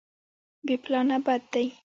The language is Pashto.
بې پلانه بد دی.